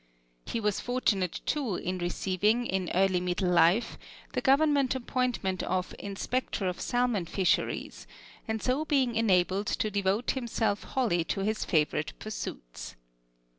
He was fortunate too in receiving in early middle life the government appointment of Inspector of Salmon Fisheries, and so being enabled to devote himself wholly to his favorite pursuits.